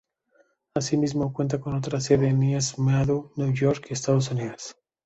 Asimismo, cuenta con otra sede en East Meadow, Nueva York, Estados Unidos.